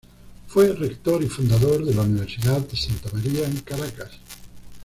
Fue Rector y fundador de la Universidad Santa María en Caracas.